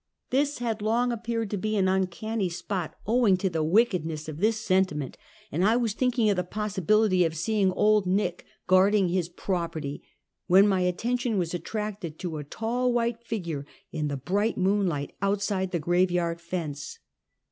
This had long appeared to be an uncanny spot, owing to the wickedness of this sentiment, and I was thinking of the possibility of seeing Auld [Nick guard ing his property, when my attention was attracted to a tall, white figure in the bright moonlight, outside the graveyard fence.